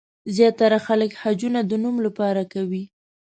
زیاتره خلک حجونه د نوم لپاره کوي.